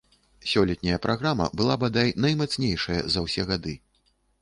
Сёлетняя праграма была, бадай, наймацнейшая за ўсе гады.